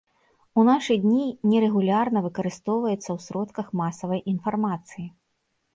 У нашы дні нерэгулярна выкарыстоўваецца ў сродках масавай інфармацыі.